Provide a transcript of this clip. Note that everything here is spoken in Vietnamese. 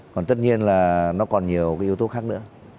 còn tất nhiên là nó còn nhiều cái yếu tố khác nữa